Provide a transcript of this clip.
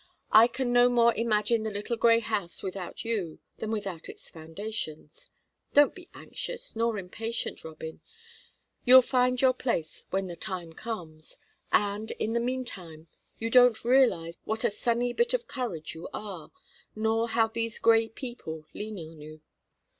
I can no more imagine the little grey house without you than without its foundations. Don't be anxious nor impatient, Robin; you'll find your place when the time comes, and, in the meantime, you don't realize what a sunny bit of courage you are, nor how these Grey people lean on you.